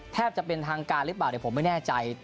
แทบจะเป็นทางการหรือเปล่าเดี๋ยวผมไม่แน่ใจ